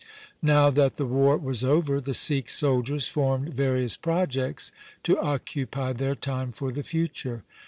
Now that the war was over, the Sikh soldiers formed various projects to occupy their time for the future.